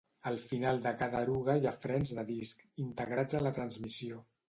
Al final de cada eruga hi ha frens de disc, integrats a la transmissió.